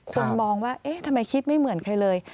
คนมองว่าเอ๊ะทำไมคิดไม่เหมือนใครเลย